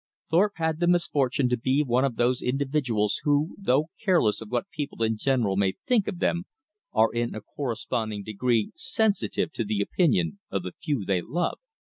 Thorpe had the misfortune to be one of those individuals who, though careless of what people in general may think of them, are in a corresponding degree sensitive to the opinion of the few they love.